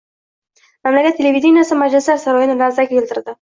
Mamlakat televideniyesi majlislar saroyini larzaga keltirdi!